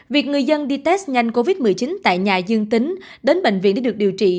việc người dân đi test nhanh covid một mươi chín tại nhà dương tính đến bệnh viện để được điều trị